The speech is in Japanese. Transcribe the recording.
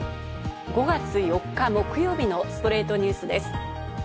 ５月４日、木曜日の『ストレイトニュース』です。